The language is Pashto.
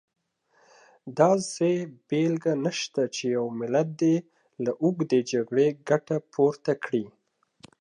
داسې بېلګه نشته چې یو ملت دې له اوږدې جګړې ګټه پورته کړي.